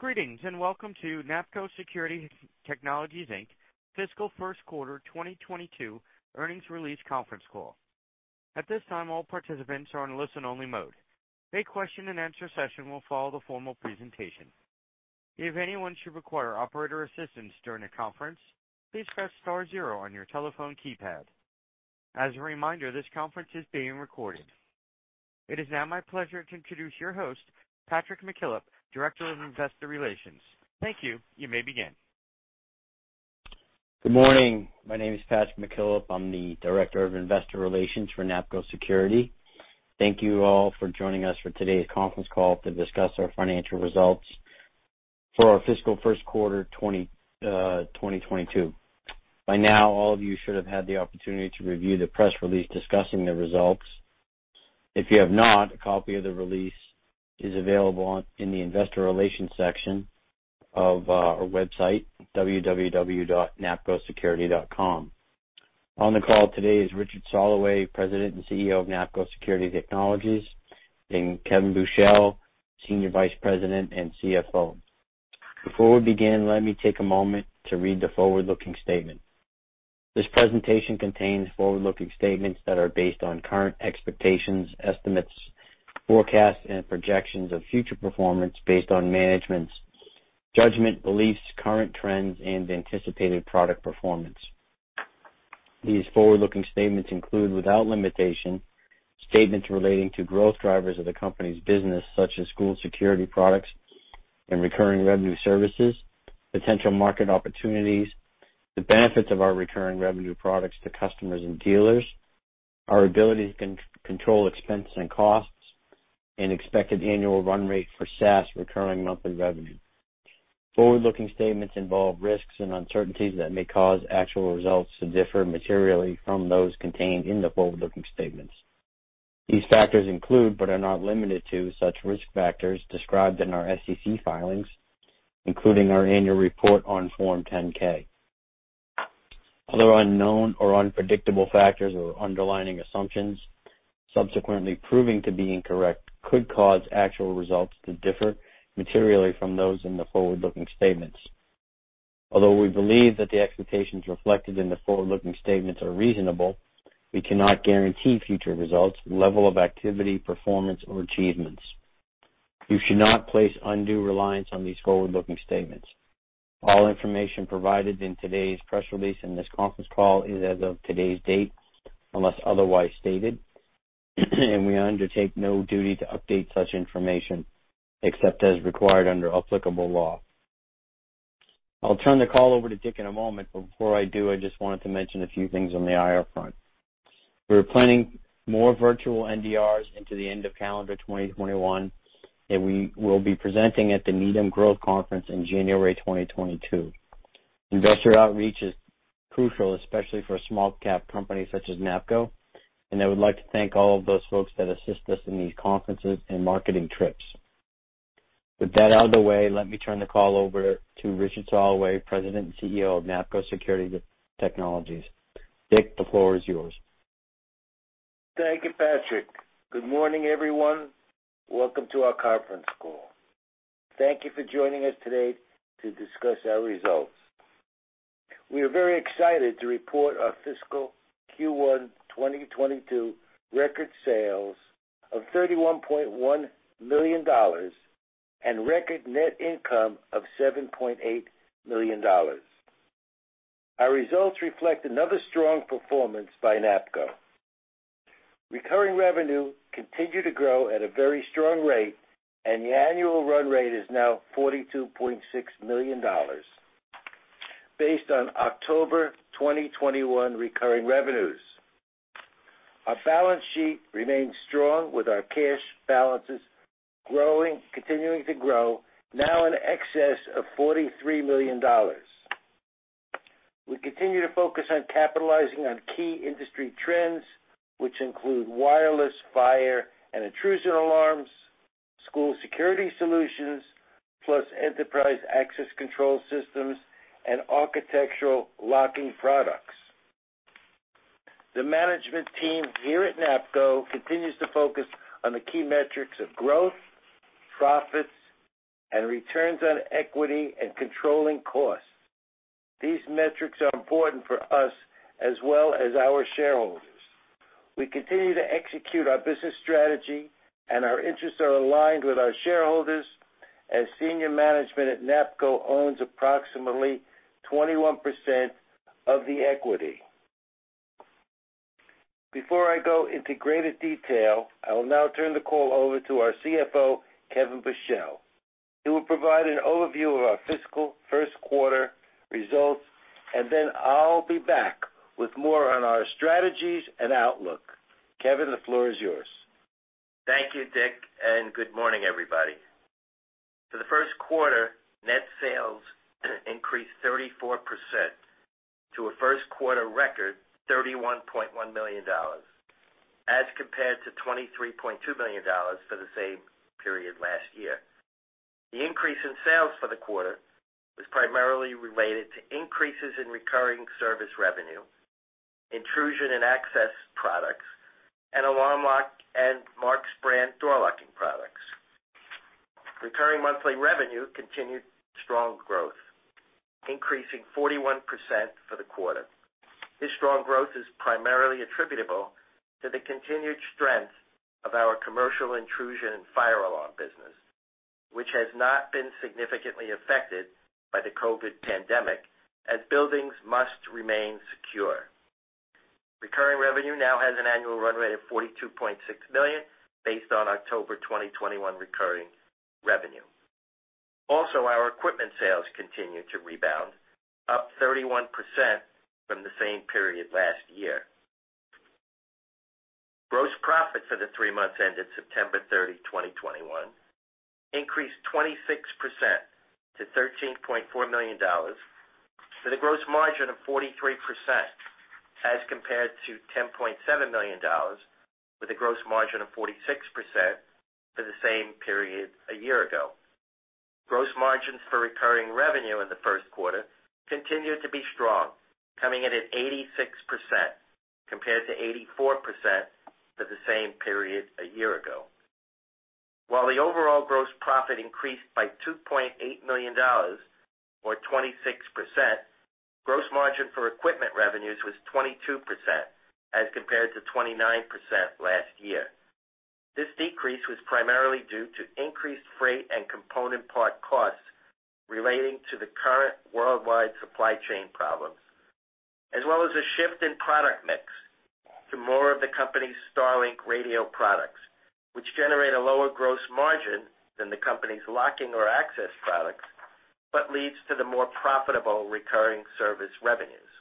Greetings, and welcome to NAPCO Security Technologies, Inc. Fiscal Q1 2022 earnings release conference call. At this time, all participants are in listen-only mode. A question-and-answer session will follow the formal presentation. If anyone should require operator assistance during the conference, please press star zero on your telephone keypad. As a reminder, this conference is being recorded. It is now my pleasure to introduce your host, Patrick McKillop, Director of Investor Relations. Thank you. You may begin. Good morning. My name is Patrick McKillop. I'm the Director of Investor Relations for NAPCO Security. Thank you all for joining us for today's conference call to discuss our financial results for our fiscal Q1 2022. By now, all of you should have had the opportunity to review the press release discussing the results. If you have not, a copy of the release is available on, in the investor relations section of our website, www.napcosecurity.com. On the call today is Richard Soloway, President and CEO of NAPCO Security Technologies, and Kevin Buchel, Senior Vice President and CFO. Before we begin, let me take a moment to read the forward-looking statement. This presentation contains forward-looking statements that are based on current expectations, estimates, forecasts, and projections of future performance based on management's judgment, beliefs, current trends, and anticipated product performance. These forward-looking statements include, without limitation, statements relating to growth drivers of the company's business such as school security products and recurring revenue services, potential market opportunities, the benefits of our recurring revenue products to customers and dealers, our ability to control expenses and costs, and expected annual run rate for SaaS recurring monthly revenue. Forward-looking statements involve risks and uncertainties that may cause actual results to differ materially from those contained in the forward-looking statements. These factors include, but are not limited to, such risk factors described in our SEC filings, including our annual report on Form 10-K. Other unknown or unpredictable factors or underlying assumptions subsequently proving to be incorrect could cause actual results to differ materially from those in the forward-looking statements. Although we believe that the expectations reflected in the forward-looking statements are reasonable, we cannot guarantee future results, level of activity, performance, or achievements. You should not place undue reliance on these forward-looking statements. All information provided in today's press release and this conference call is as of today's date, unless otherwise stated, and we undertake no duty to update such information except as required under applicable law. I'll turn the call over to Dick in a moment, but before I do, I just wanted to mention a few things on the IR front. We're planning more virtual NDRs into the end of calendar 2021, and we will be presenting at the Needham Growth Conference in January 2022. Investor outreach is crucial, especially for a small-cap company such as NAPCO, and I would like to thank all of those folks that assist us in these conferences and marketing trips. With that out of the way, let me turn the call over to Richard Soloway, President and CEO of NAPCO Security Technologies. Dick, the floor is yours. Thank you, Patrick. Good morning, everyone. Welcome to our conference call. Thank you for joining us today to discuss our results. We are very excited to report our fiscal Q1 2022 record sales of $31.1 million and record net income of $7.8 million. Our results reflect another strong performance by NAPCO. Recurring revenue continued to grow at a very strong rate, and the annual run rate is now $42.6 million based on October 2021 recurring revenues. Our balance sheet remains strong with our cash balances growing, continuing to grow, now in excess of $43 million. We continue to focus on capitalizing on key industry trends, which include wireless fire and intrusion alarms, school security solutions, plus enterprise access control systems and architectural locking products. The management team here at NAPCO continues to focus on the key metrics of growth, profits, and returns on equity and controlling costs. These metrics are important for us as well as our shareholders. We continue to execute our business strategy, and our interests are aligned with our shareholders as senior management at NAPCO owns approximately 21% of the equity. Before I go into greater detail, I will now turn the call over to our CFO, Kevin Buchel. He will provide an overview of our fiscal Q1 results, and then I'll be back with more on our strategies and outlook. Kevin, the floor is yours. Thank you, Dick, and good morning, everybody. For the Q1, net sales increased 34% to a Q1 record $31.1 million as compared to $23.2 million for the same period last year. The increase in sales for the quarter was primarily related to increases in recurring service revenue, intrusion and access products, and Alarm Lock and Marks brand door locking products. Recurring monthly revenue continued strong growth, increasing 41% for the quarter. This strong growth is primarily attributable to the continued strength of our commercial intrusion and fire alarm business, which has not been significantly affected by the COVID-19 pandemic, as buildings must remain secure. Recurring revenue now has an annual run rate of $42.6 million based on October 2021 recurring revenue. Also, our equipment sales continued to rebound, up 31% from the same period last year. Gross profit for the three months ended September 30, 2021 increased 26% to $13.4 million, for the gross margin of 43%, as compared to $10.7 million with a gross margin of 46% for the same period a year ago. Gross margins for recurring revenue in the Q1 continued to be strong, coming in at 86% compared to 84% for the same period a year ago. While the overall gross profit increased by $2.8 million, or 26%, gross margin for equipment revenues was 22% as compared to 29% last year. This decrease was primarily due to increased freight and component part costs relating to the current worldwide supply chain problems, as well as a shift in product mix to more of the company's StarLink radio products, which generate a lower gross margin than the company's locking or access products, but leads to the more profitable recurring service revenues.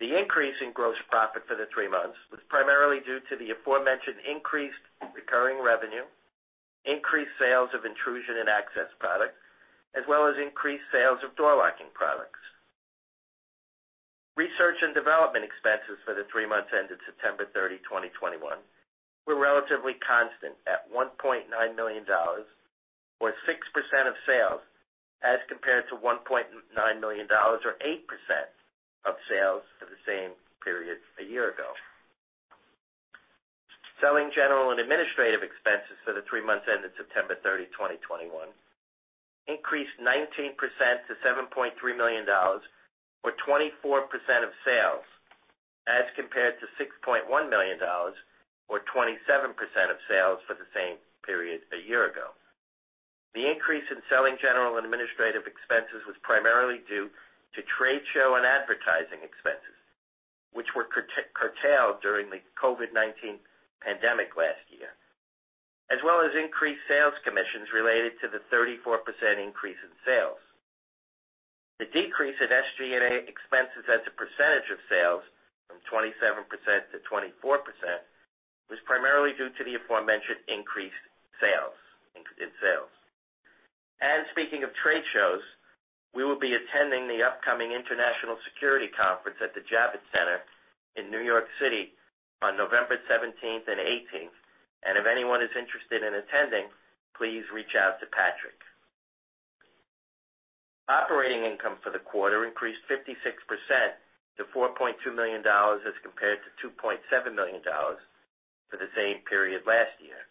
The increase in gross profit for the three months was primarily due to the aforementioned increased recurring revenue, increased sales of intrusion and access products, as well as increased sales of door locking products. Research and development expenses for the three months ended September 30, 2021 were relatively constant at $1.9 million, or 6% of sales, as compared to $1.9 million or 8% of sales for the same period a year ago. Selling, general and administrative expenses for the 3 months ended September 30, 2021 increased 19% to $7.3 million, or 24% of sales, as compared to $6.1 million or 27% of sales for the same period a year ago. The increase in selling, general and administrative expenses was primarily due to trade show and advertising expenses, which were curtailed during the COVID-19 pandemic last year, as well as increased sales commissions related to the 34% increase in sales. The decrease in SG&A expenses as a percentage of sales from 27% to 24% was primarily due to the aforementioned increased sales in sales. Speaking of trade shows, we will be attending the upcoming International Security Conference at the Javits Center in New York City on November 17 and 18. If anyone is interested in attending, please reach out to Patrick. Operating income for the quarter increased 56% to $4.2 million as compared to $2.7 million for the same period last year.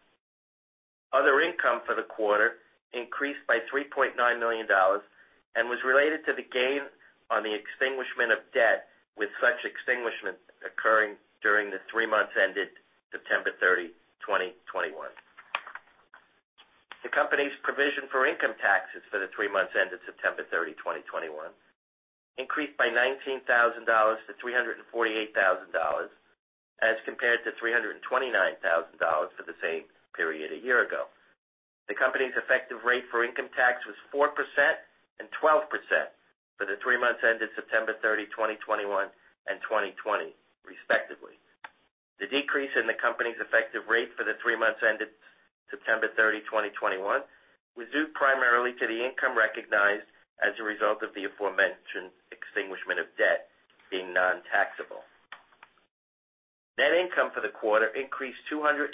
Other income for the quarter increased by $3.9 million and was related to the gain on the extinguishment of debt, with such extinguishment occurring during the three months ended September 30, 2021. The company's provision for income taxes for the three months ended September 30, 2021 increased by $19,000-$348,000 as compared to $329,000 for the same period a year ago. The company's effective rate for income tax was 4% and 12% for the three months ended September 30, 2021, and 2020, respectively. The decrease in the company's effective rate for the three months ended September 30, 2021, was due primarily to the income recognized as a result of the aforementioned extinguishment of debt being non-taxable. Net income for the quarter increased 234%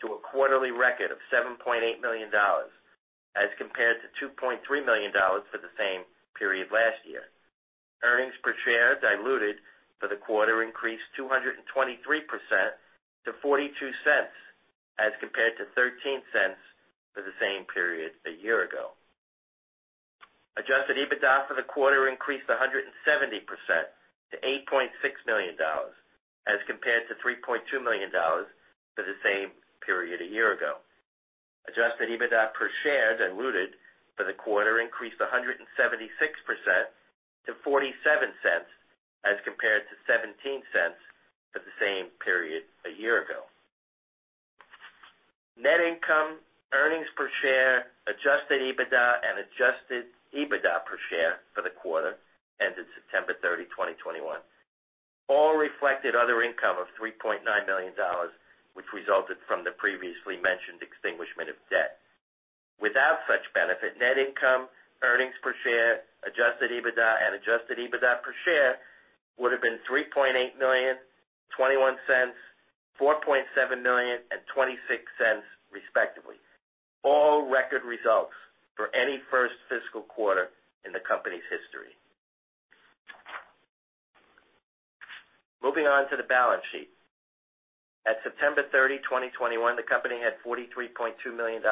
to a quarterly record of $7.8 million, as compared to $2.3 million for the same period last year. Earnings per share diluted for the quarter increased 223% to $0.42, as compared to $0.13 for the same period a year ago. Adjusted EBITDA for the quarter increased 170% to $8.6 million, as compared to $3.2 million for the same period a year ago. Adjusted EBITDA per diluted share for the quarter increased 176% to $0.47, as compared to $0.17 for the same period a year ago. Net income, earnings per share, adjusted EBITDA, and adjusted EBITDA per share for the quarter ended September 30, 2021, all reflected other income of $3.9 million, which resulted from the previously mentioned extinguishment of debt. Without such benefit, net income, earnings per share, adjusted EBITDA, and adjusted EBITDA per share would have been $3.8 million, $0.21, $4.7 million, and $0.26, respectively. All record results for any first fiscal quarter in the company's history. Moving on to the balance sheet. At September 30, 2021, the company had $43.2 million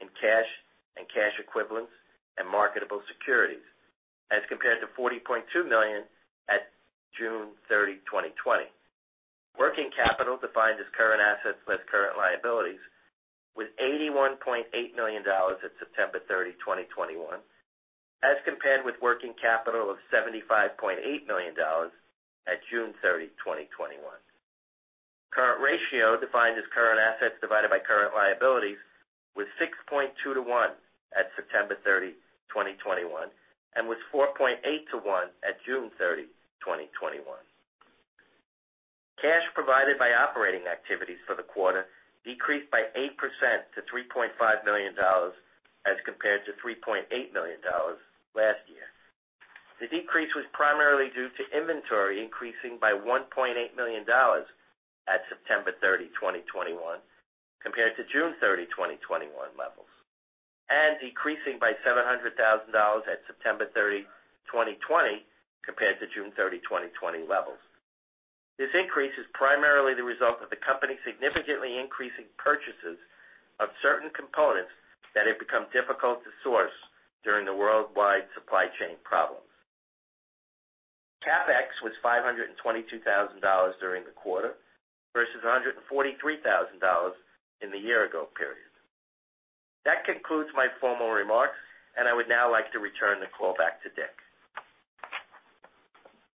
in cash and cash equivalents and marketable securities, as compared to $42.2 million at June 30, 2020. Working capital, defined as current assets less current liabilities, was $81.8 million at September 30, 2021, as compared with working capital of $75.8 million at June 30, 2021. Current ratio, defined as current assets divided by current liabilities, was 6.2-1 at September 30, 2021, and was 4.8 to 1 at June 30, 2021. Cash provided by operating activities for the quarter decreased by 8% to $3.5 million, as compared to $3.8 million last year. The decrease was primarily due to inventory increasing by $1.8 million at September 30, 2021, compared to June 30, 2021 levels, and decreasing by $700,000 at September 30, 2020, compared to June 30, 2020 levels. This increase is primarily the result of the company significantly increasing purchases of certain components that have become difficult to source during the worldwide supply chain problems. CapEx was $522,000 during the quarter versus $143,000 in the year ago period. That concludes my formal remarks, and I would now like to return the call back to Dick.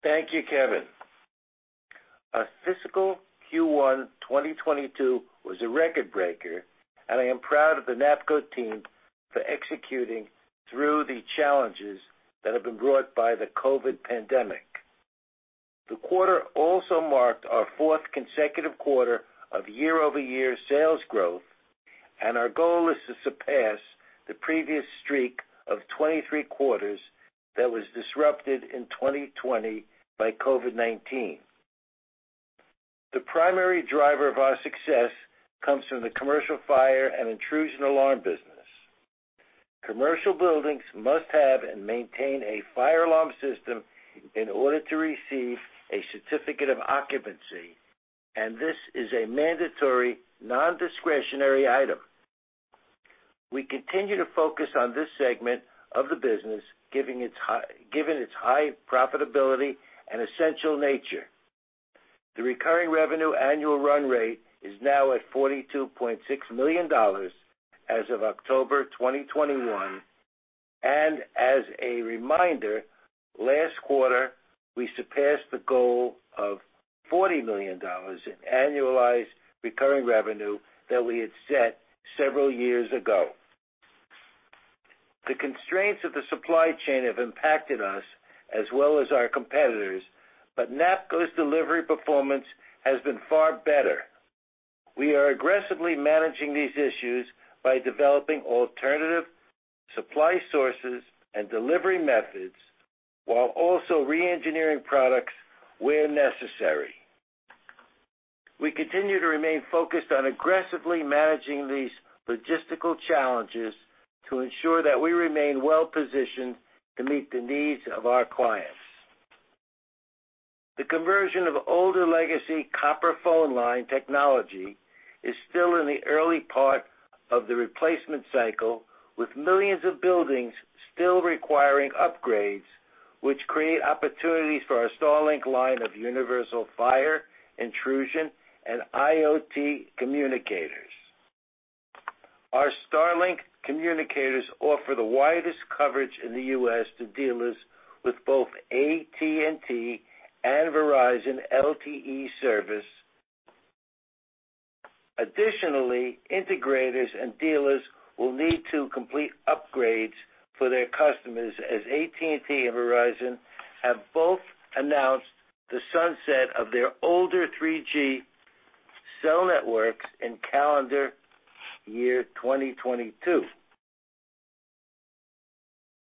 Thank you, Kevin. Our fiscal Q1 2022 was a record breaker, and I am proud of the NAPCO team for executing through the challenges that have been brought by the COVID-19 pandemic. The quarter also marked our fourth consecutive quarter of year-over-year sales growth, and our goal is to surpass the previous streak of 23 quarters that was disrupted in 2020 by COVID-19. The primary driver of our success comes from the commercial fire and intrusion alarm business. Commercial buildings must have and maintain a fire alarm system in order to receive a certificate of occupancy, and this is a mandatory non-discretionary item. We continue to focus on this segment of the business, given its high profitability and essential nature. The recurring revenue annual run rate is now at $42.6 million as of October 2021. As a reminder, last quarter, we surpassed the goal of $40 million in annualized recurring revenue that we had set several years ago. The constraints of the supply chain have impacted us as well as our competitors, but NAPCO's delivery performance has been far better. We are aggressively managing these issues by developing alternative supply sources and delivery methods, while also re-engineering products where necessary. We continue to remain focused on aggressively managing these logistical challenges to ensure that we remain well-positioned to meet the needs of our clients. The conversion of older legacy copper phone line technology is still in the early part of the replacement cycle, with millions of buildings still requiring upgrades, which create opportunities for our StarLink line of universal fire, intrusion, and IoT communicators. Our StarLink communicators offer the widest coverage in the U.S. to dealers with both AT&T and Verizon LTE service. Additionally, integrators and dealers will need to complete upgrades for their customers as AT&T and Verizon have both announced the sunset of their older 3G cell networks in calendar year 2022.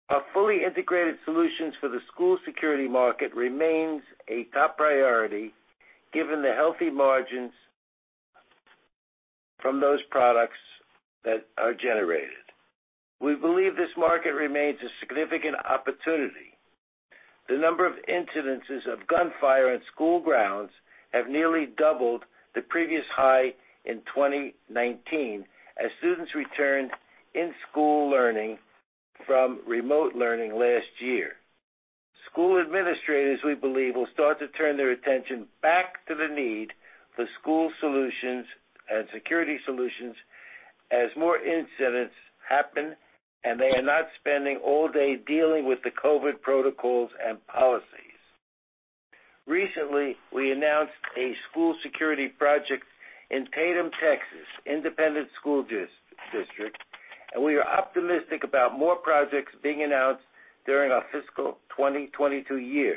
Our fully integrated solutions for the school security market remains a top priority given the healthy margins from those products that are generated. We believe this market remains a significant opportunity. The number of incidents of gunfire on school grounds have nearly doubled the previous high in 2019 as students return in-school learning from remote learning last year. School administrators, we believe, will start to turn their attention back to the need for school solutions and security solutions as more incidents happen, and they are not spending all day dealing with the COVID protocols and policies. Recently, we announced a school security project in Tatum, Texas Independent School District, and we are optimistic about more projects being announced during our fiscal 2022 year.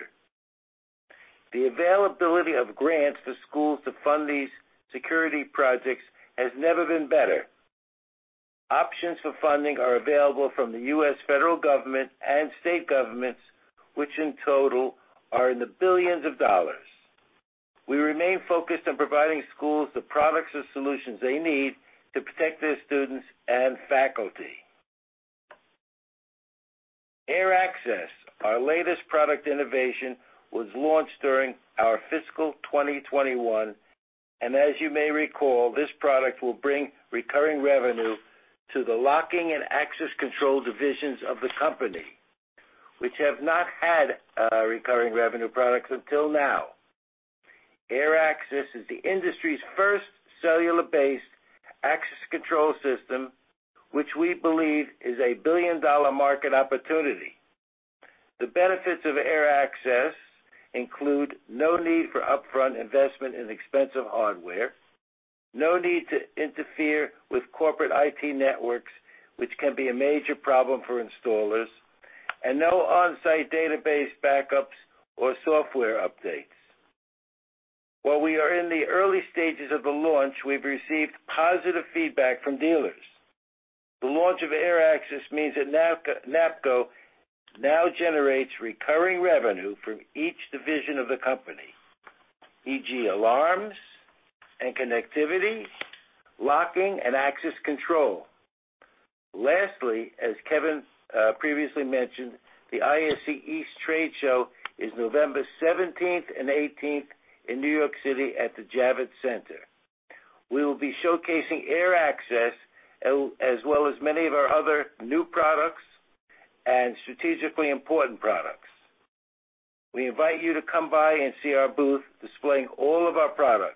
The availability of grants for schools to fund these security projects has never been better. Options for funding are available from the U.S. federal government and state governments, which in total are in the billions of dollars. We remain focused on providing schools the products and solutions they need to protect their students and faculty. AirAccess, our latest product innovation, was launched during our fiscal 2021, and as you may recall, this product will bring recurring revenue to the locking and access control divisions of the company, which have not had recurring revenue products until now. AirAccess is the industry's first cellular-based access control system, which we believe is a billion-dollar market opportunity. The benefits of AirAccess include no need for upfront investment in expensive hardware, no need to interfere with corporate IT networks, which can be a major problem for installers, and no on-site database backups or software updates. While we are in the early stages of the launch, we've received positive feedback from dealers. The launch of AirAccess means that NAPCO now generates recurring revenue from each division of the company, e.g. alarms and connectivity, locking and access control. Lastly, as Kevin previously mentioned, the ISC East Trade Show is November seventeenth and eighteenth in New York City at the Javits Center. We will be showcasing AirAccess, as well as many of our other new products and strategically important products. We invite you to come by and see our booth displaying all of our products.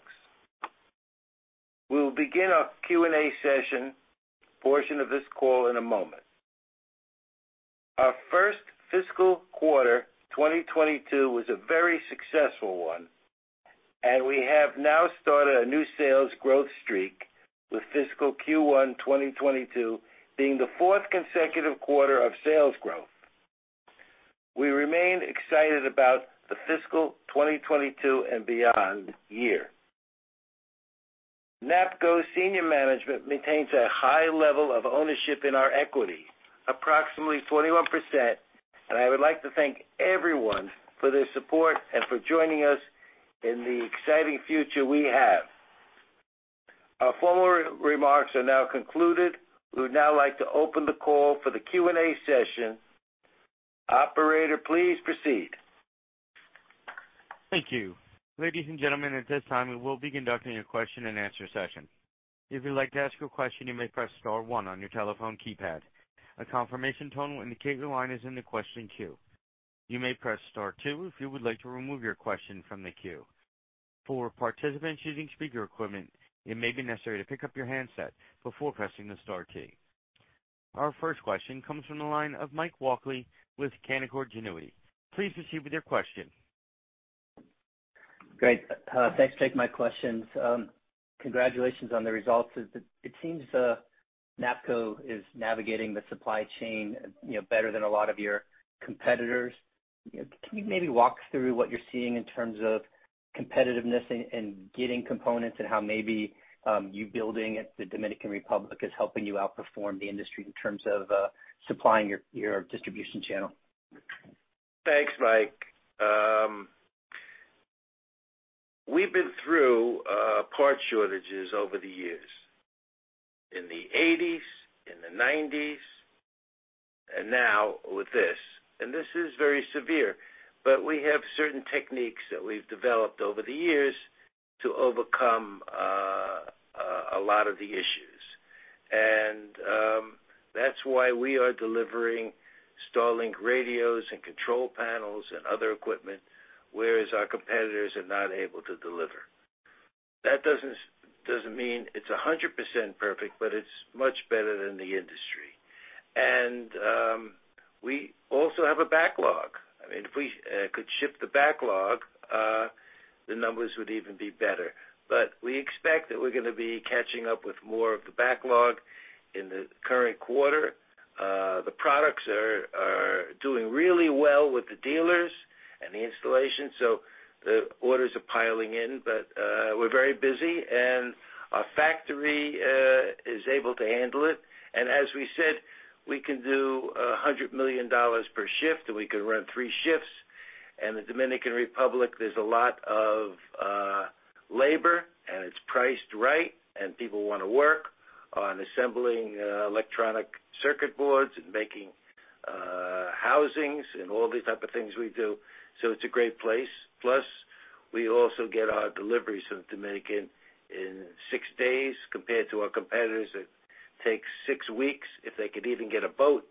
We'll begin our Q&A session portion of this call in a moment. Our first fiscal quarter, 2022, was a very successful one, and we have now started a new sales growth streak, with fiscal Q1 2022 being the fourth consecutive quarter of sales growth. We remain excited about the fiscal 2022 and beyond year. NAPCO senior management maintains a high level of ownership in our equity, approximately 21%, and I would like to thank everyone for their support and for joining us in the exciting future we have. Our formal remarks are now concluded. We would now like to open the call for the Q&A session. Operator, please proceed. Thank you. Ladies and gentlemen, at this time, we will be conducting a question-and-answer session. If you'd like to ask a question, you may press star one on your telephone keypad. A confirmation tone will indicate your line is in the question queue. You may press star two if you would like to remove your question from the queue. For participants using speaker equipment, it may be necessary to pick up your handset before pressing the star key. Our first question comes from the line of Mike Walkley with Canaccord Genuity. Please proceed with your question. Great. Thanks, Jake. My questions, congratulations on the results. It seems NAPCO is navigating the supply chain, you know, better than a lot of your competitors. Can you maybe walk through what you're seeing in terms of competitiveness and getting components and how maybe your building at the Dominican Republic is helping you outperform the industry in terms of supplying your distribution channel? Thanks, Mike. We've been through parts shortages over the years, in the eighties, in the nineties, and now with this, and this is very severe. We have certain techniques that we've developed over the years to overcome a lot of the issues. That's why we are delivering StarLink radios and control panels and other equipment, whereas our competitors are not able to deliver. That doesn't mean it's 100% perfect, but it's much better than the industry. We also have a backlog. I mean, if we could ship the backlog, the numbers would even be better. We expect that we're gonna be catching up with more of the backlog in the current quarter. The products are doing really well with the dealers and the installation, so the orders are piling in. We're very busy, and our factory is able to handle it. As we said, we can do $100 million per shift, and we can run three shifts. The Dominican Republic, there's a lot of labor, and it's priced right, and people wanna work on assembling electronic circuit boards and making housings and all these type of things we do. So it's a great place. Plus, we also get our deliveries from Dominican in six days compared to our competitors that take six weeks, if they could even get a boat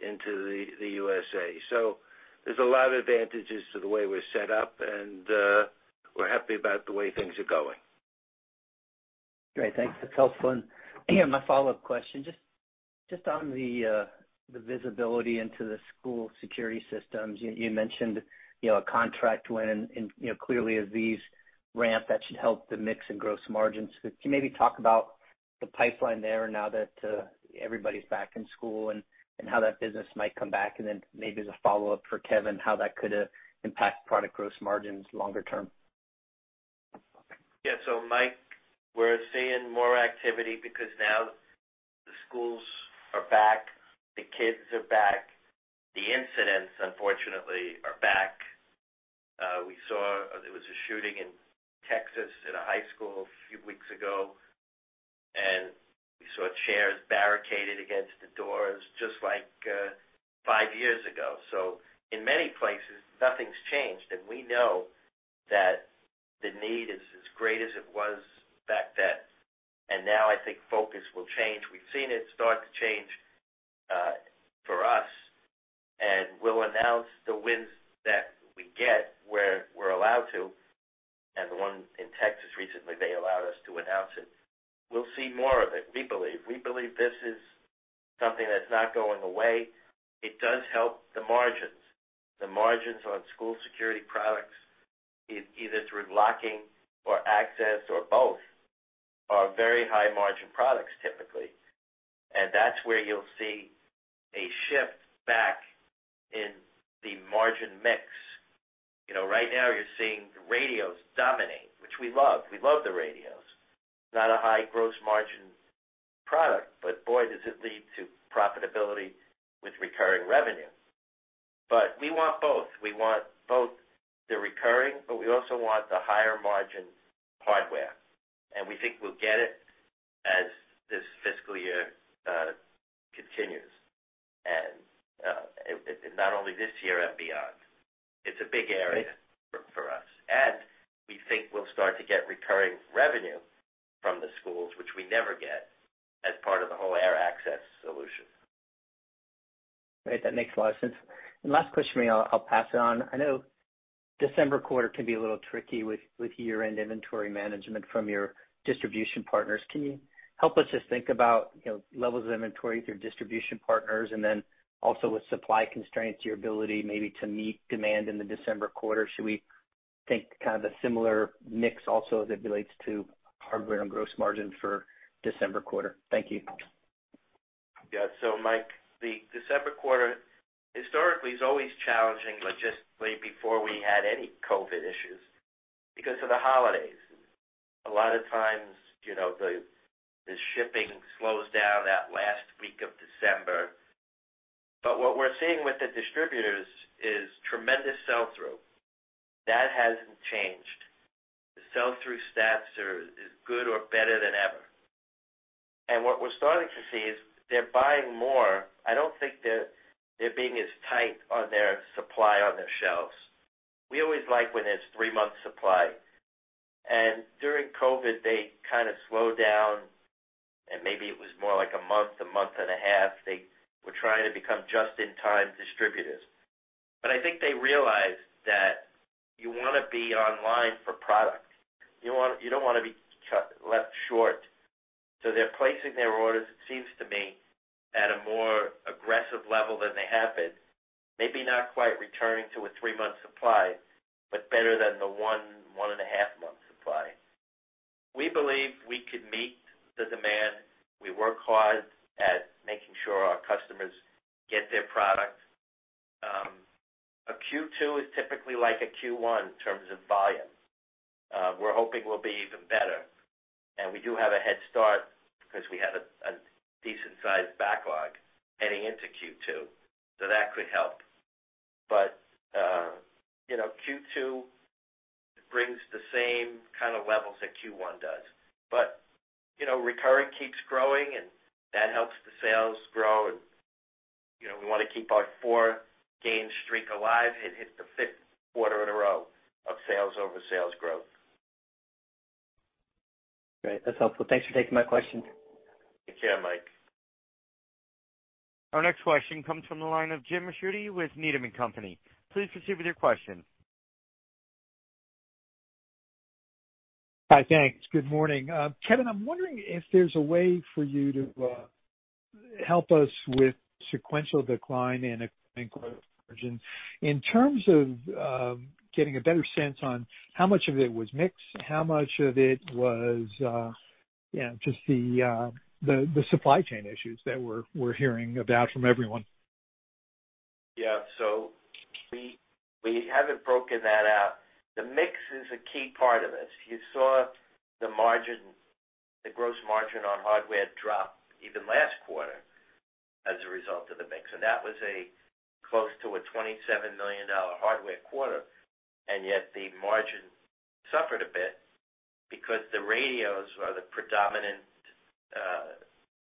into the USA. So there's a lot of advantages to the way we're set up, and we're happy about the way things are going. Great. Thanks. That's helpful. My follow-up question, just on the visibility into the school security systems. You mentioned, you know, a contract win and, you know, clearly as these ramp, that should help the mix in gross margins. Could you maybe talk about the pipeline there now that everybody's back in school and how that business might come back? Then maybe as a follow-up for Kevin, how that could impact product gross margins longer term? Yeah. Mike, we're seeing more activity because now schools are back, the kids are back, the incidents, unfortunately, are back. We saw there was a shooting in Texas at a high school a few weeks ago, and we saw chairs barricaded against the doors just like five years ago. In many places, nothing's changed. We know that the need is as great as it was back then. Now I think focus will change. We've seen it start to change for us, and we'll announce the wins that we get where we're allowed to. The one in Texas recently, they allowed us to announce it. We'll see more of it, we believe. We believe this is something that's not going away. It does help the margins. The margins on school security products, either through locking or access or both, are very high margin products typically. That's where you'll see a shift back in the margin mix. You know, right now you're seeing the radios dominate, which we love. We love the radios. Not a high gross margin product, but boy, does it lead to profitability with recurring revenue. We want both. We want both the recurring, but we also want the higher margin hardware. We think we'll get it as this fiscal year continues. Not only this year and beyond. It's a big area for us. We think we'll start to get recurring revenue from the schools, which we never get as part of the whole AirAccess solution. Right. That makes a lot of sense. Last question, I'll pass it on. I know December quarter can be a little tricky with year-end inventory management from your distribution partners. Can you help us just think about, you know, levels of inventory through distribution partners and then also with supply constraints, your ability maybe to meet demand in the December quarter? Should we think kind of a similar mix also as it relates to hardware and gross margin for December quarter? Thank you. Yeah. Mike, the December quarter historically is always challenging logistically before we had any COVID issues because of the holidays. A lot of times, you know, the shipping slows down that last week of December. What we're seeing with the distributors is tremendous sell-through. That hasn't changed. The sell-through stats is good or better than ever. What we're starting to see is they're buying more. I don't think they're being as tight on their supply on their shelves. We always like when there's three months supply. During COVID, they kinda slowed down, and maybe it was more like a month, a month and a half. They were trying to become just-in-time distributors. I think they realized that you wanna be online for product. You don't wanna be left short. They're placing their orders, it seems to me, at a more aggressive level than they have been, maybe not quite returning to a 3-month supply, but better than the 1.5-month supply. We believe we could meet the demand. We work hard at making sure our customers get their product. A Q2 is typically like a Q1 in terms of volume. We're hoping we'll be even better. We do have a head start because we have a decent sized backlog heading into Q2, so that could help. You know, Q2 brings the same kind of levels that Q1 does. You know, recurring keeps growing, and that helps the sales grow. You know, we wanna keep our 4-game streak alive and hit the Q5 in a row of sales over sales growth. Great. That's helpful. Thanks for taking my question. Take care, Mike. Our next question comes from the line of Jim Ricchiuti with Needham & Company. Please proceed with your question. Hi. Thanks. Good morning. Kevin, I'm wondering if there's a way for you to help us with sequential decline in gross margin in terms of getting a better sense on how much of it was mix, how much of it was, you know, just the supply chain issues that we're hearing about from everyone. Yeah. We haven't broken that out. The mix is a key part of this. You saw the margin, the gross margin on hardware drop even last quarter as a result of the mix. That was a close to a $27 million hardware quarter, and yet the margin suffered a bit because the radios are the predominant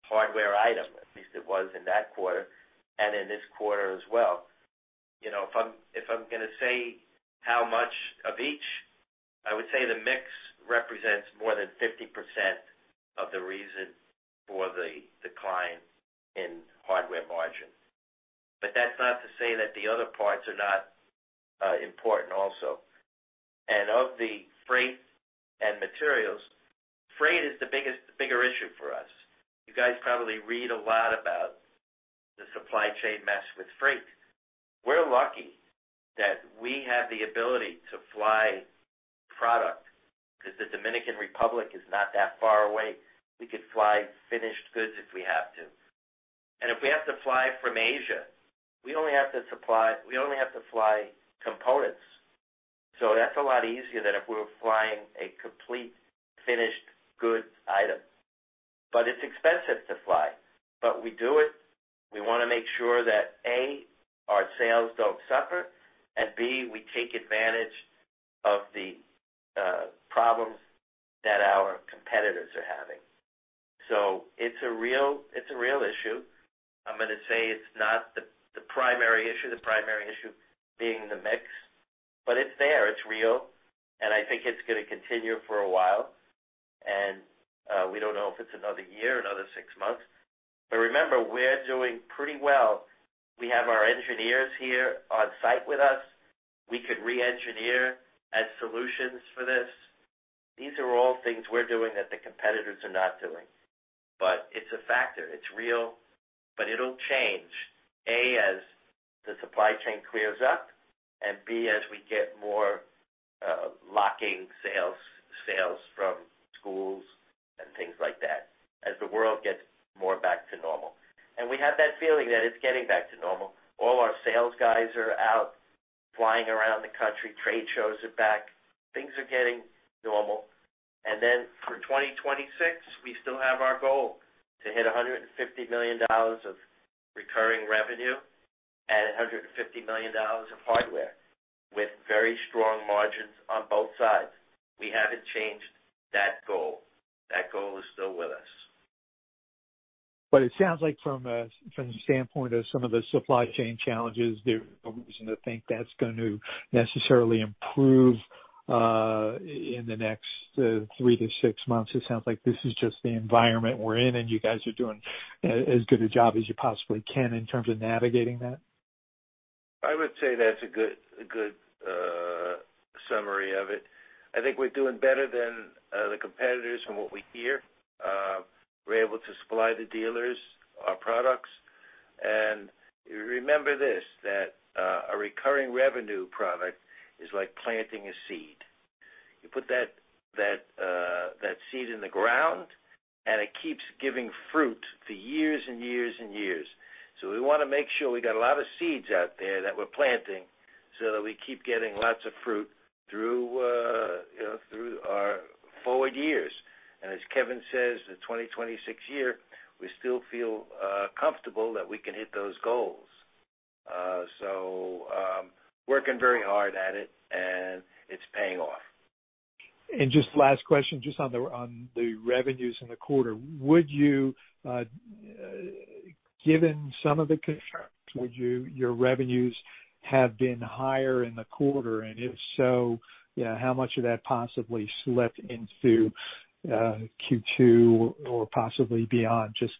hardware item, at least it was in that quarter and in this quarter as well. You know, if I'm gonna say how much of each, I would say the mix represents more than 50% of the reason for the decline in hardware margin. That's not to say that the other parts are not important also. Of the freight and materials, freight is the biggest, bigger issue for us. You guys probably read a lot about the supply chain mess with freight. We're lucky that we have the ability to fly product 'cause the Dominican Republic is not that far away. We could fly finished goods if we have to. If we have to fly from Asia, we only have to fly components. That's a lot easier than if we were flying a complete finished goods item. It's expensive to fly, but we do it. We wanna make sure that, A, our sales don't suffer, and B, we take advantage of the problems that our competitors are having. It's a real issue. I'm gonna say it's not the primary issue, the primary issue being the mix, but it's there, it's real, and I think it's gonna continue for a while. We don't know if it's another year, another six months. Remember, we're doing pretty well. We have our engineers here on site with us. We could re-engineer our solutions for this. These are all things we're doing that the competitors are not doing. It's a factor. It's real, but it'll change, A, as the supply chain clears up, and B, as we get more locking sales from schools and things like that as the world gets more back to normal. We have that feeling that it's getting back to normal. All our sales guys are out flying around the country. Trade shows are back. Things are getting normal. Then for 2026, we still have our goal to hit $150 million of recurring revenue and $150 million of hardware with very strong margins on both sides. We haven't changed that goal. That goal is still with us. It sounds like from the standpoint of some of the supply chain challenges, there's no reason to think that's going to necessarily improve in the next 3-6 months. It sounds like this is just the environment we're in, and you guys are doing as good a job as you possibly can in terms of navigating that. I would say that's a good summary of it. I think we're doing better than the competitors from what we hear. We're able to supply the dealers our products. Remember, a recurring revenue product is like planting a seed. You put that seed in the ground, and it keeps giving fruit for years and years and years. We wanna make sure we got a lot of seeds out there that we're planting so that we keep getting lots of fruit through, you know, through our forward years. As Kevin says, the 2026 year, we still feel comfortable that we can hit those goals. Working very hard at it, and it's paying off. Just last question, just on the revenues in the quarter. Would you, given some of the constraints, your revenues have been higher in the quarter? If so, yeah, how much of that possibly slipped into Q2 or possibly beyond, just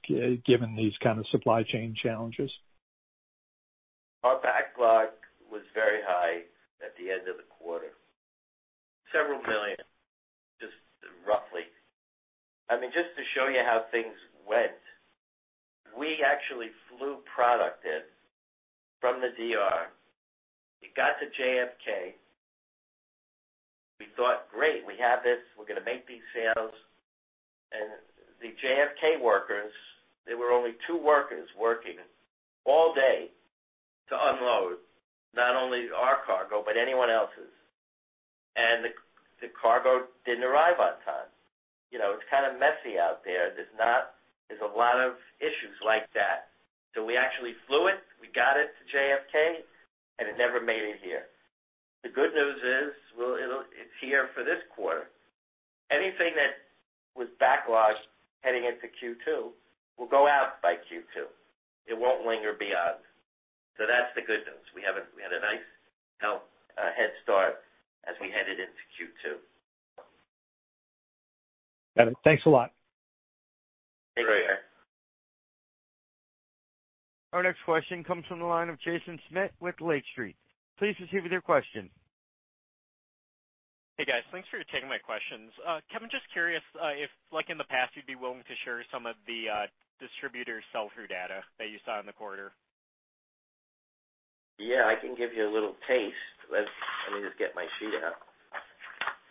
given these kind of supply chain challenges? Our backlog was very high at the end of the quarter. $Several million, just roughly. I mean, just to show you how things went, we actually flew product in from the DR. It got to JFK. We thought, "Great, we have this. We're gonna make these sales." The JFK workers, there were only two workers working all day to unload not only our cargo, but anyone else's. The cargo didn't arrive on time. You know, it's kinda messy out there. There's a lot of issues like that. We actually flew it, we got it to JFK, and it never made it here. The good news is it's here for this quarter. Anything that was backlogged heading into Q2 will go out by Q2. It won't linger beyond. That's the good news. We had a nice, you know, head start as we headed into Q2. Got it. Thanks a lot. Great. Our next question comes from the line of Jason Smith with Lake Street. Please proceed with your question. Hey, guys. Thanks for taking my questions. Kevin, just curious, if like in the past, you'd be willing to share some of the distributor sell-through data that you saw in the quarter. Yeah, I can give you a little taste. Let me just get my sheet out.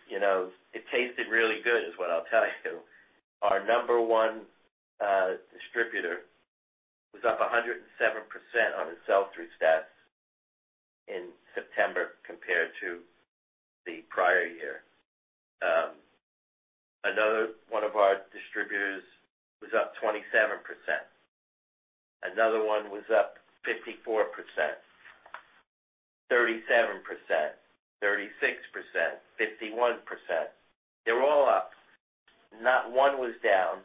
You know, it tasted really good, is what I'll tell you. Our number one distributor was up 107% on his sell-through stats in September compared to the prior year. Another one of our distributors was up 27%. Another one was up 54%, 37%, 36%, 51%. They're all up. Not one was down,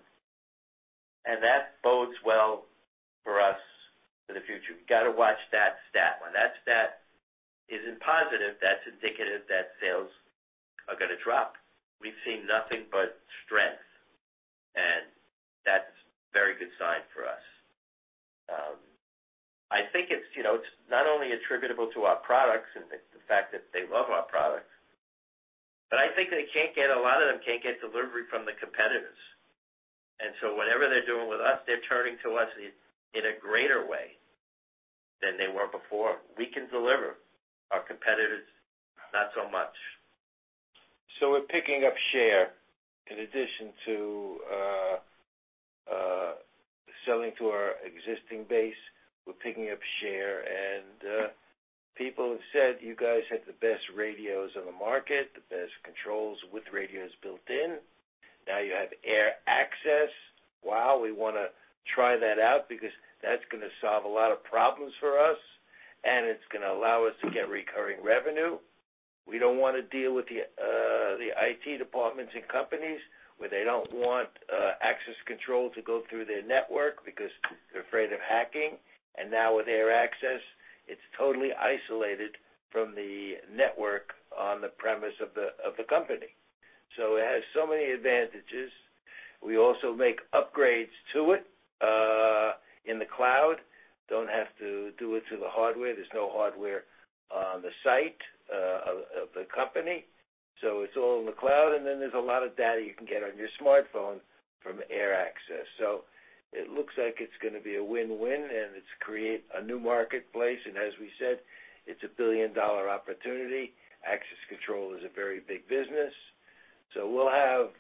and that bodes well for us for the future. We gotta watch that stat. When that stat isn't positive, that's indicative that sales are gonna drop. We've seen nothing but strength, and that's a very good sign for us. I think it's, you know, it's not only attributable to our products and the fact that they love our products, but I think they can't get... A lot of them can't get delivery from the competitors. Whatever they're doing with us, they're turning to us in a greater way than they were before. We can deliver. Our competitors, not so much. We're picking up share in addition to selling to our existing base, we're picking up share, and people have said, "You guys have the best radios on the market, the best controls with radios built in. Now you have AirAccess. Wow, we wanna try that out because that's gonna solve a lot of problems for us, and it's gonna allow us to get recurring revenue." We don't wanna deal with the IT departments and companies where they don't want access control to go through their network because they're afraid of hacking. Now with AirAccess, it's totally isolated from the network on the premise of the company. It has so many advantages. We also make upgrades to it in the cloud. Don't have to do it through the hardware. There's no hardware on the site of the company, so it's all in the cloud. There's a lot of data you can get on your smartphone from AirAccess. It looks like it's gonna be a win-win, and it's create a new marketplace. As we said, it's a billion-dollar opportunity. Access control is a very big business. We'll have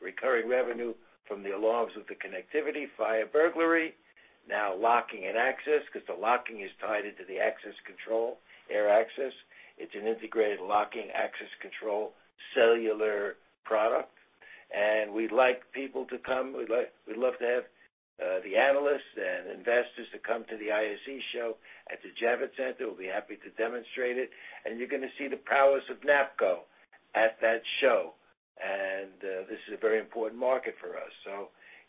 recurring revenue from the alarms with the connectivity, fire, burglary, now locking and access, 'cause the locking is tied into the access control, AirAccess. It's an integrated locking access control cellular product. We'd love to have the analysts and investors come to the ISC East show at the Javits Center. We'll be happy to demonstrate it. You're gonna see the prowess of NAPCO at that show. This is a very important market for us.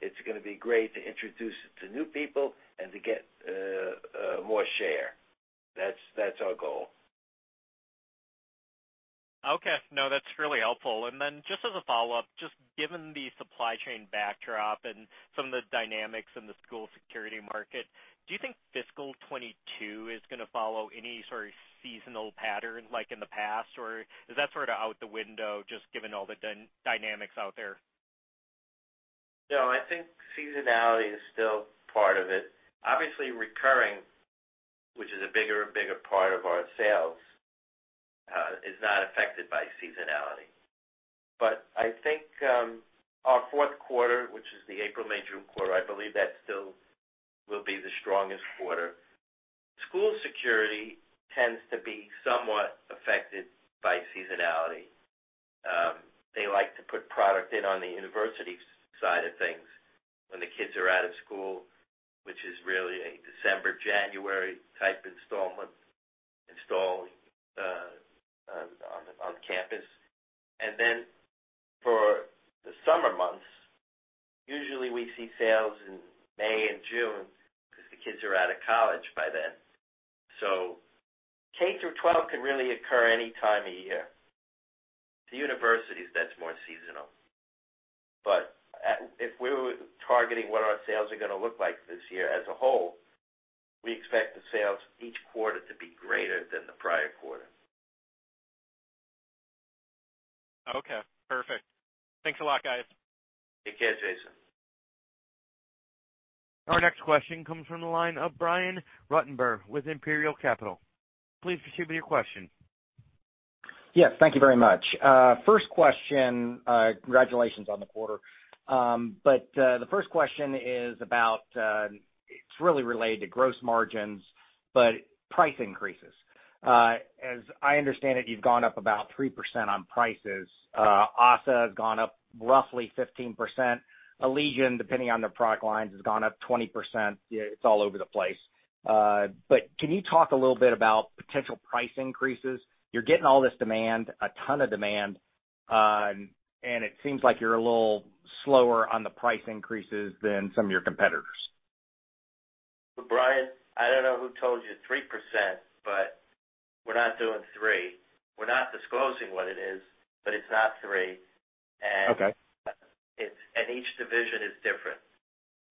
It's gonna be great to introduce it to new people and to get more share. That's our goal. Okay. No, that's really helpful. Just as a follow-up, just given the supply chain backdrop and some of the dynamics in the school security market, do you think fiscal 2022 is gonna follow any sort of seasonal pattern like in the past? Or is that sort of out the window just given all the dynamics out there? No, I think seasonality is still part of it. Obviously recurring, which is a bigger and bigger part of our sales, is not affected by seasonality. I think, our Q4, which is the April, May, June quarter, I believe that still will be the strongest quarter. School security tends to be somewhat affected by seasonality. They like to put product in on the university side of things when the kids are out of school, which is really a December, January type install on campus. For the summer months, usually we see sales in May and June because the kids are out of college by then. K through twelve can really occur any time of year. The universities, that's more seasonal. If we were targeting what our sales are gonna look like this year as a whole, we expect the sales each quarter to be greater than the prior quarter. Okay, perfect. Thanks a lot, guys. Take care, Jason. Our next question comes from the line of Brian Ruttenbur with Imperial Capital. Please proceed with your question. Yes, thank you very much. First question. Congratulations on the quarter. The first question is about, it's really related to gross margins, but price increases. As I understand it, you've gone up about 3% on prices. Assa Abloy has gone up roughly 15%. Allegion, depending on their product lines, has gone up 20%. It's all over the place. Can you talk a little bit about potential price increases? You're getting all this demand, a ton of demand, and it seems like you're a little slower on the price increases than some of your competitors. Brian, I don't know who told you 3%, but we're not doing 3. We're not disclosing what it is, but it's not 3. Okay. It's each division is different.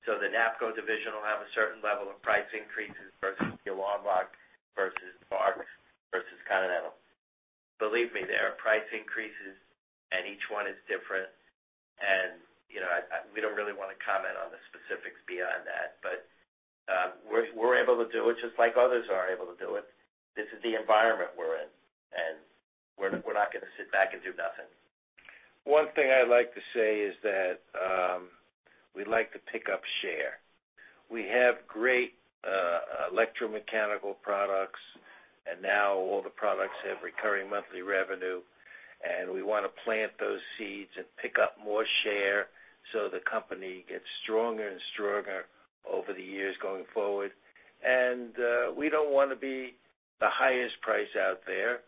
The NAPCO division will have a certain level of price increases versus Alarm Lock versus Marks versus Continental. Believe me, there are price increases and each one is different. We don't really wanna comment on the specifics beyond that, but we're able to do it just like others are able to do it. This is the environment we're in, and we're not gonna sit back and do nothing. One thing I'd like to say is that we like to pick up share. We have great electromechanical products, and now all the products have recurring monthly revenue, and we wanna plant those seeds and pick up more share so the company gets stronger and stronger over the years going forward. We don't wanna be the highest price out there,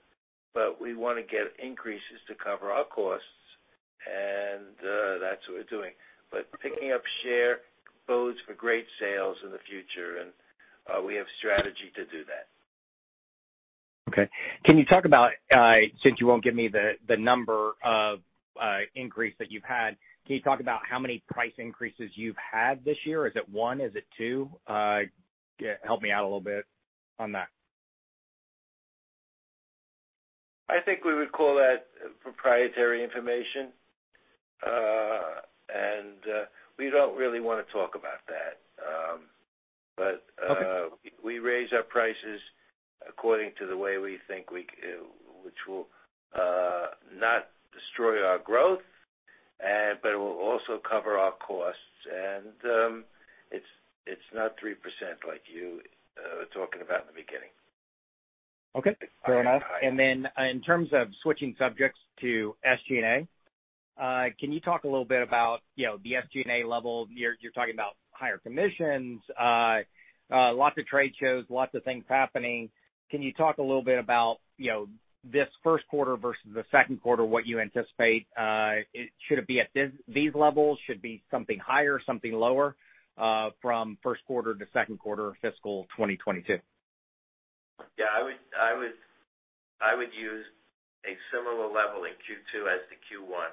but we wanna get increases to cover our costs, and that's what we're doing. Picking up share bodes for great sales in the future, and we have strategy to do that. Okay. Can you talk about, since you won't give me the number of increases that you've had, can you talk about how many price increases you've had this year? Is it one? Is it two? Yeah, help me out a little bit on that. I think we would call that proprietary information. We don't really wanna talk about that. We raise our prices according to the way we think, which will not destroy our growth but it will also cover our costs. It's not 3% like you were talking about in the beginning. Okay. Fair enough. In terms of switching subjects to SG&A, can you talk a little bit about, you know, the SG&A level? You're talking about higher commissions, lots of trade shows, lots of things happening. Can you talk a little bit about, you know, this Q1 versus the Q2, what you anticipate? Should it be at these levels, should be something higher, something lower, from Q1 to Q2 fiscal 2022? Yeah, I would use a similar level in Q2 as the Q1.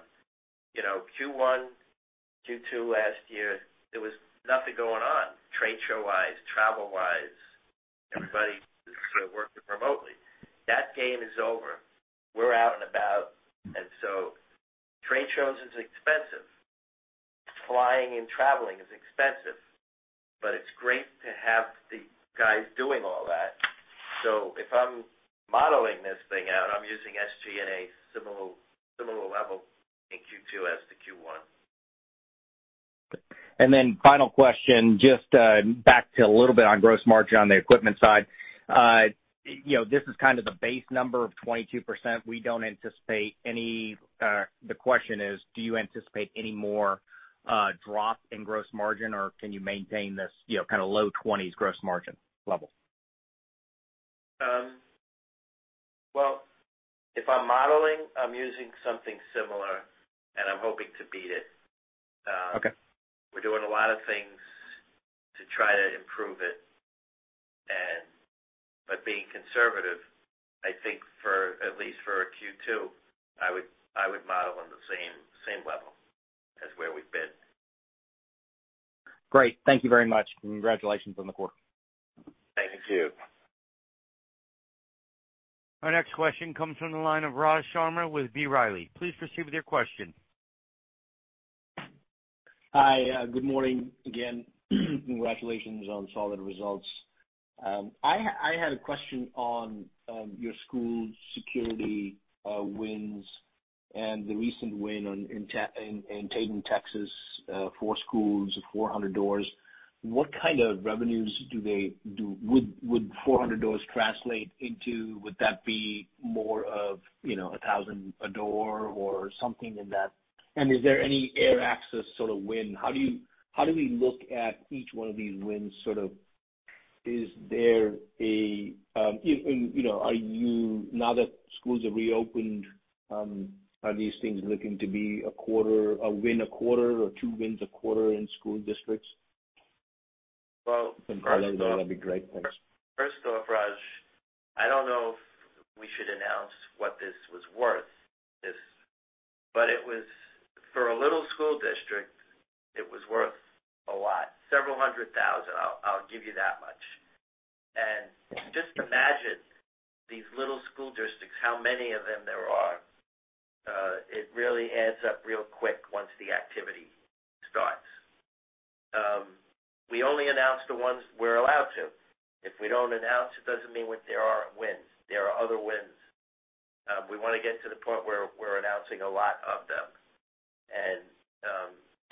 You know, Q1, Q2 last year, there was nothing going on trade show-wise, travel-wise. Everybody was sort of working remotely. That game is over. We're out and about. Trade shows is expensive. Flying and traveling is expensive. It's great to have the guys doing all that. If I'm modeling this thing out, I'm using SG&A similar level in Q2 as the Q1. Final question, just back to a little bit on gross margin on the equipment side. You know, this is kind of the base number of 22%. We don't anticipate any. The question is, do you anticipate any more drop in gross margin, or can you maintain this, you know, kind of low 20s% gross margin level? Well, if I'm modeling, I'm using something similar, and I'm hoping to beat it. Okay. We're doing a lot of things to try to improve it. Being conservative, I think for at least Q2, I would model on the same level as where we've been. Great. Thank you very much. Congratulations on the quarter. Thank you. Our next question comes from the line of Raj Sharma with B. Riley. Please proceed with your question. Hi, good morning again. Congratulations on solid results. I had a question on your school security wins and the recent win in Tatum, Texas, 4 schools, 400 doors. What kind of revenues do they do? Would 400 doors translate into more of, you know, $1,000 a door or something in that? And is there any AirAccess sort of win? How do we look at each one of these wins, sort of is there a, you know, are you now that schools are reopened, are these things looking to be a quarter, a win a quarter or 2 wins a quarter in school districts? Well- Some color there that'd be great. Thanks. First off, Raj, I don't know if we should announce what this was worth. It was, for a little school district, worth a lot. Several $100,000. I'll give you that much. Just imagine these little school districts, how many of them there are. It really adds up real quick once the activity starts. We only announce the ones we're allowed to. If we don't announce, it doesn't mean that there aren't wins. There are other wins. We wanna get to the point where we're announcing a lot of them.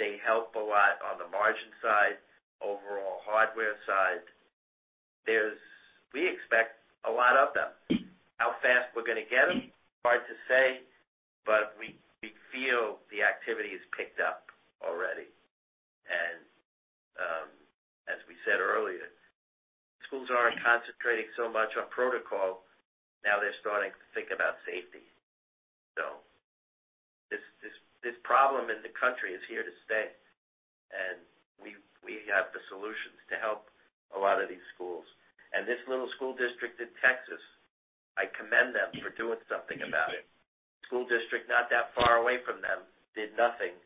They help a lot on the margin side, overall hardware side. We expect a lot of them. How fast we're gonna get them? Hard to say, but we feel the activity has picked up already. As we said earlier, schools aren't concentrating so much on protocol. Now they're starting to think about safety. This problem in the country is here to stay. We have the solutions to help a lot of these schools. This little school district in Texas, I commend them for doing something about it. School district not that far away from them did nothing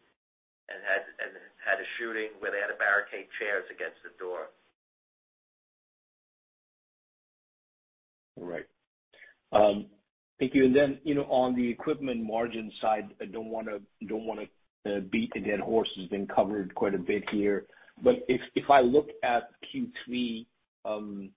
and had a shooting where they had to barricade chairs against the door. All right. Thank you. You know, on the equipment margin side, I don't wanna beat the dead horse. It's been covered quite a bit here. If I look at Q3, around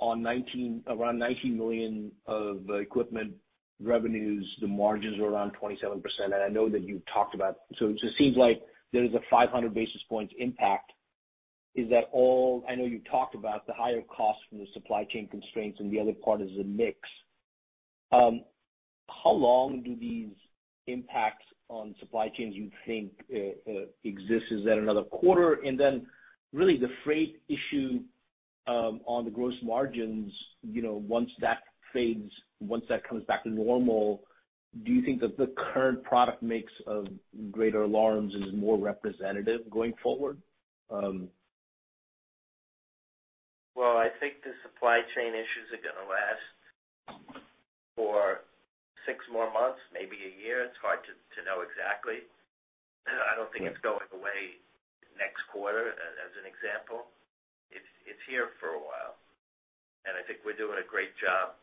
$19 million of equipment revenues, the margins are around 27%. I know that you talked about. It just seems like there is a 500 basis points impact. Is that all? I know you talked about the higher costs from the supply chain constraints and the other part is the mix. How long do these impacts on supply chains you think exist? Is that another quarter? Really the freight issue on the gross margins, you know, once that fades, once that comes back to normal, do you think that the current product mix of greater alarms is more representative going forward? Well, I think the supply chain issues are gonna last for six more months, maybe a year. It's hard to know exactly. I don't think it's going away next quarter, as an example. It's here for a while. I think we're doing a great job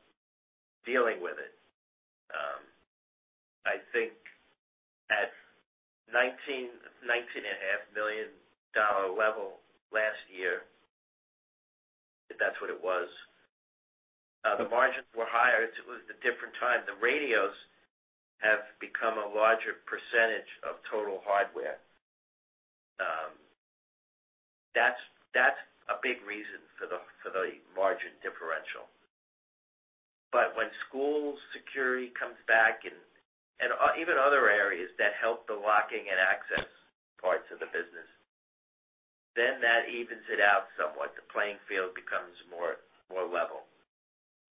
dealing with it. I think at $19million-$19.5 million level last year, if that's what it was, the margins were higher. It was a different time. The radios have become a larger percentage of total hardware. That's a big reason for the margin differential. When school security comes back and even other areas that help the locking and access parts of the business, then that evens it out somewhat. The playing field becomes more level.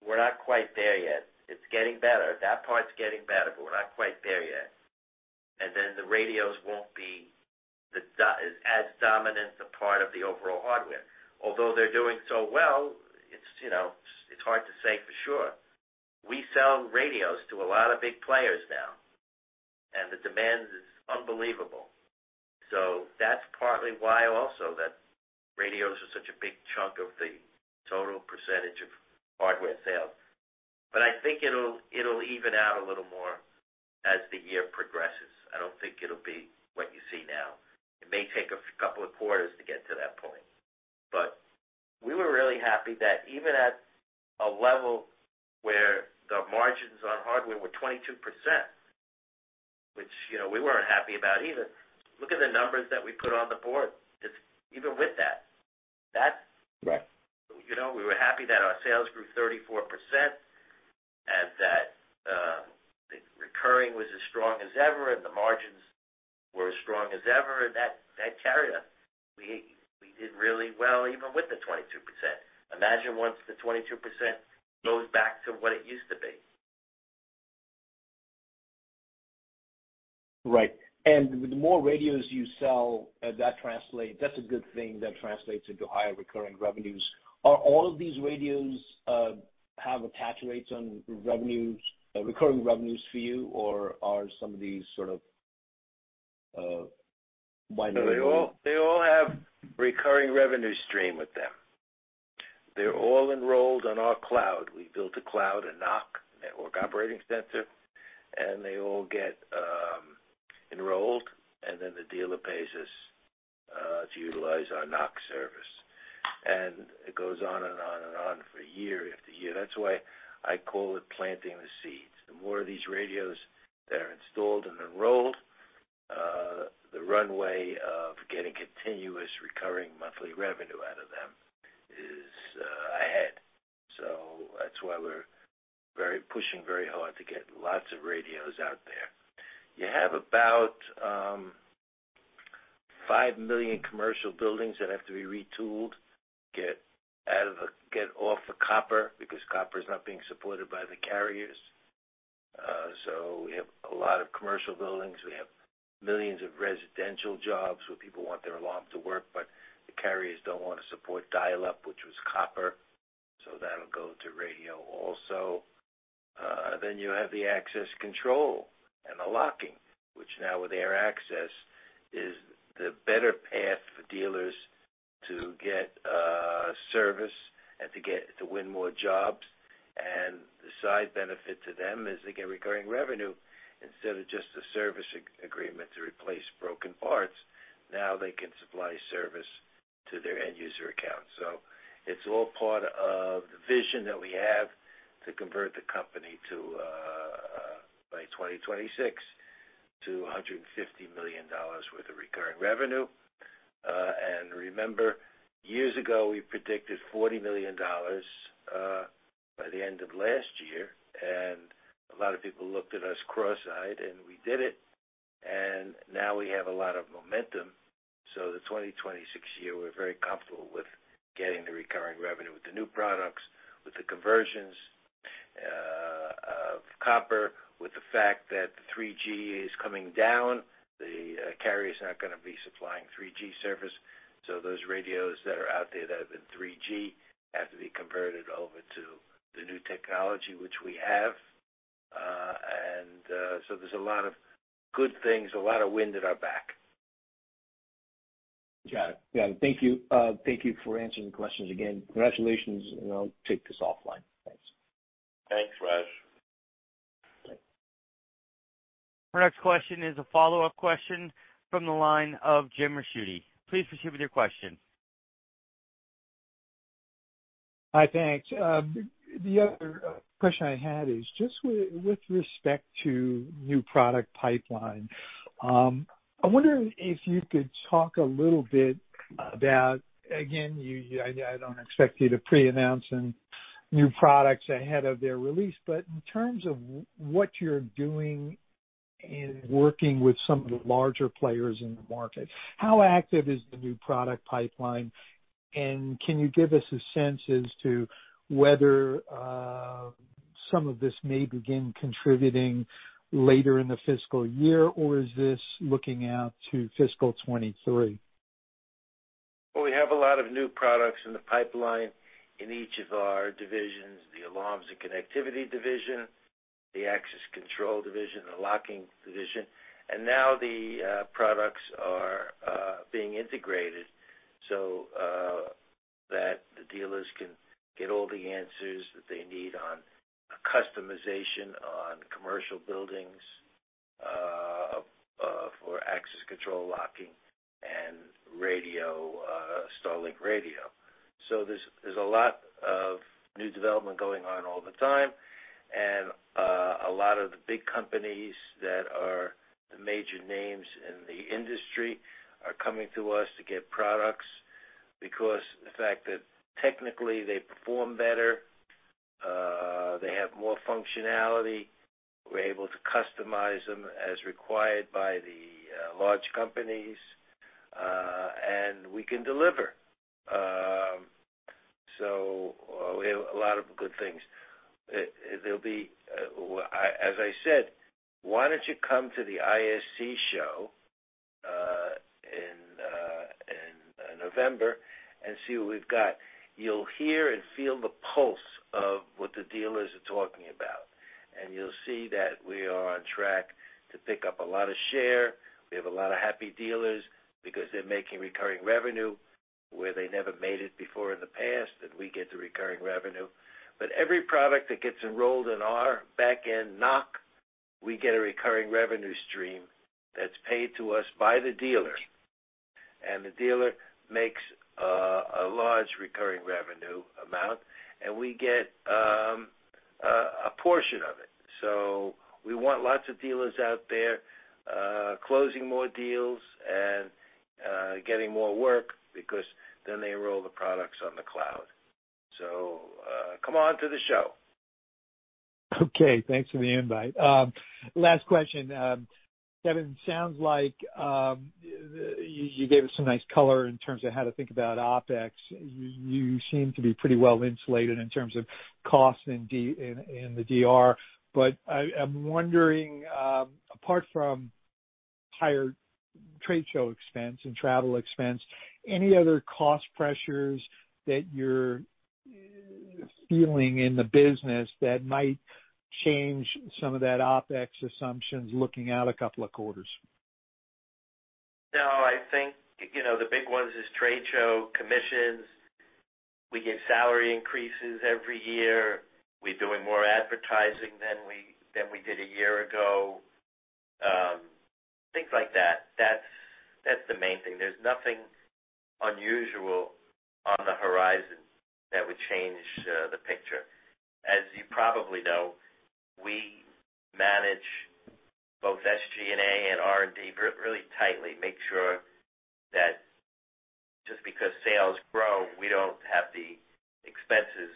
We're not quite there yet. It's getting better. That part's getting better, but we're not quite there yet. Then the radios won't be the so dominant a part of the overall hardware. Although they're doing so well, you know, it's hard to say for sure. We sell radios to a lot of big players now, and the demand is unbelievable. That's partly why also that radios are such a big chunk of the total percentage of hardware sales. I think it'll even out a little more as the year progresses. I don't think it'll be what you see now. It may take a couple of quarters to get to that point. We were really happy that even at a level where the margins on hardware were 22%, which, you know, we weren't happy about either, look at the numbers that we put on the board. It's even with that. Right. You know, we were happy that our sales grew 34% and that the recurring was as strong as ever, and the margins were as strong as ever. That carried us. We did really well even with the 22%. Imagine once the 22% goes back to what it used to be. Right. The more radios you sell, that's a good thing that translates into higher recurring revenues. Do all of these radios have attach rates on recurring revenues for you? Or are some of these sort of one-time only? No, they all have recurring revenue stream with them. They're all enrolled on our cloud. We built a cloud, a NOC, network operating center, and they all get enrolled, and then the dealer pays us to utilize our NOC service. It goes on and on and on for year after year. That's why I call it planting the seeds. The more of these radios that are installed and enrolled, the runway of getting continuous recurring monthly revenue out of them is ahead. That's why we're pushing very hard to get lots of radios out there. You have about 5 million commercial buildings that have to be retooled, get off of copper because copper is not being supported by the carriers. We have a lot of commercial buildings. We have millions of residential jobs where people want their alarm to work, but the carriers don't want to support dial-up, which was copper, so that'll go to radio also. Then you have the access control and the locking, which now with AirAccess is the better path for dealers to get service and to win more jobs. The side benefit to them is they get recurring revenue instead of just a service agreement to replace broken parts. Now they can supply service to their end user accounts. It's all part of the vision that we have to convert the company to, by 2026 to $150 million worth of recurring revenue. Remember, years ago, we predicted $40 million by the end of last year, and a lot of people looked at us cross-eyed, and we did it. Now we have a lot of momentum. The 2026 year, we're very comfortable with getting the recurring revenue with the new products, with the conversions of copper, with the fact that the 3G is coming down. The carrier is not gonna be supplying 3G service. Those radios that are out there that have been 3G have to be converted over to the new technology, which we have. There's a lot of good things, a lot of wind at our back. Got it. Thank you. Thank you for answering the questions again. Congratulations, and I'll take this offline. Thanks. Thanks, Raj. Thanks. Our next question is a follow-up question from the line of Jim Ricchiuti. Please proceed with your question. Hi. Thanks. The other question I had is just with respect to new product pipeline. I wonder if you could talk a little bit about, again, I don't expect you to pre-announce any new products ahead of their release. But in terms of what you're doing in working with some of the larger players in the market, how active is the new product pipeline? And can you give us a sense as to whether some of this may begin contributing later in the fiscal year, or is this looking out to fiscal 2023? Well, we have a lot of new products in the pipeline in each of our divisions, the alarms and connectivity division, the access control division, the locking division, and now the products are being integrated. That the dealers can get all the answers that they need on customization on commercial buildings, for access control locking and radio, StarLink radio. So there's a lot of new development going on all the time, and a lot of the big companies that are the major names in the industry are coming to us to get products because the fact that technically they perform better, they have more functionality. We're able to customize them as required by the large companies, and we can deliver. So we have a lot of good things. There'll be... As I said, why don't you come to the ISC show in November and see what we've got. You'll hear and feel the pulse of what the dealers are talking about, and you'll see that we are on track to pick up a lot of share. We have a lot of happy dealers because they're making recurring revenue where they never made it before in the past, and we get the recurring revenue. But every product that gets enrolled in our back-end NOC, we get a recurring revenue stream that's paid to us by the dealer. And the dealer makes a large recurring revenue amount, and we get a portion of it. We want lots of dealers out there closing more deals and getting more work because then they roll the products on the cloud. Come on to the show. Okay, thanks for the invite. Last question. Kevin, sounds like you gave us some nice color in terms of how to think about OpEx. You seem to be pretty well insulated in terms of costs in the DR. I'm wondering, apart from higher trade show expense and travel expense, any other cost pressures that you're feeling in the business that might change some of that OpEx assumptions looking out a couple of quarters? No, I think, you know, the big ones is trade show commissions. We give salary increases every year. We're doing more advertising than we did a year ago. Things like that. That's the main thing. There's nothing unusual on the horizon that would change the picture. As you probably know, we manage both SG&A and R&D really tightly. Make sure that just because sales grow, we don't have the expenses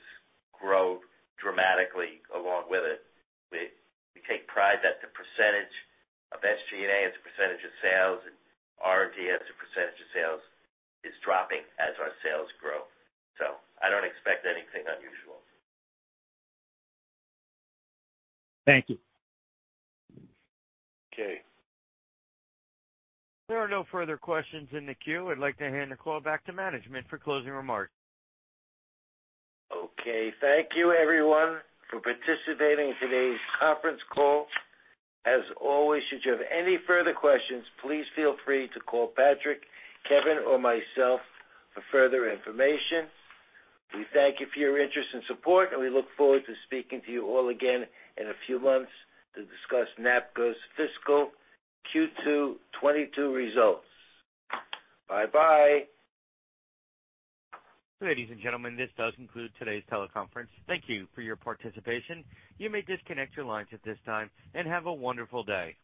grow dramatically along with it. We take pride that the percentage of SG&A as a percentage of sales and R&D as a percentage of sales is dropping as our sales grow. I don't expect anything unusual. Thank you. Okay. There are no further questions in the queue. I'd like to hand the call back to management for closing remarks. Okay. Thank you everyone for participating in today's conference call. As always, should you have any further questions, please feel free to call Patrick, Kevin or myself for further information. We thank you for your interest and support, and we look forward to speaking to you all again in a few months to discuss NAPCO's fiscal Q2 2022 results. Bye-bye. Ladies and gentlemen, this does conclude today's teleconference. Thank you for your participation. You may disconnect your lines at this time, and have a wonderful day.